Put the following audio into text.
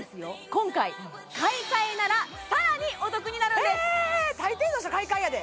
今回買い替えならさらにお得になるんですたいていの人買い替えやで！